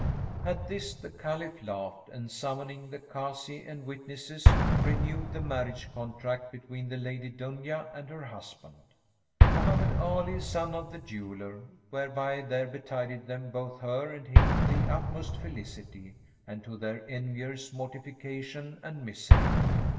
At this the Caliph laughed and, summoning the Kazi and witnesses, renewed the marriage contract between the Lady Dunya and her husband, Mohammed Ali son of the Jeweller, whereby there betided them, both her and him the utmost felicity, and to their enviers mortification and misery.